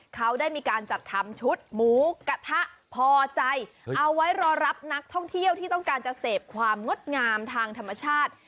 เขาได้มีการจัดทำชุดหมูกระทะพอใจเอาไว้รอรับนักท่องเที่ยวที่ต้องการจะเสพความงดงามทางธรรมชาติ